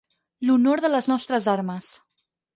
L'honor de les nostres armes.